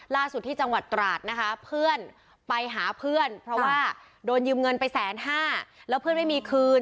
ล่าสุดที่จังหวัดตราดนะคะเพื่อนไปหาเพื่อนเพราะว่าโดนยืมเงินไปแสนห้าแล้วเพื่อนไม่มีคืน